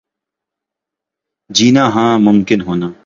جینا ہاں ممکن ہونا